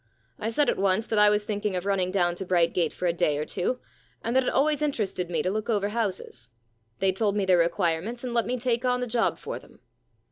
I said at once that I was thinking of running down to Brightgate for a day or two, and that it always interested me to look over houses. They told me their requirements and let me take on the job for them.